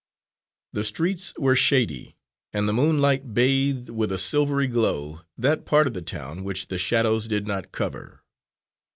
The streets were shady, and the moonlight bathed with a silvery glow that part of the town which the shadows did not cover.